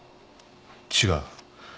違う。